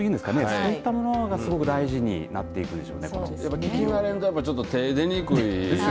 そういったものがすごい大事になっていくんですかね。